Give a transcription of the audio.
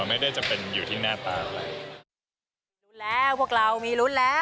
หน้าตานักรักหรือ